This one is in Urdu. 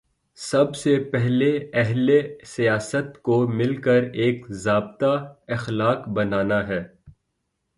سب سے پہلے اہل سیاست کو مل کر ایک ضابطۂ اخلاق بنانا ہے۔